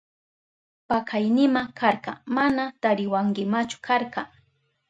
Pakaynima karka, mana tariwankimachu karka.